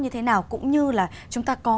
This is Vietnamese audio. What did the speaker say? như thế nào cũng như là chúng ta có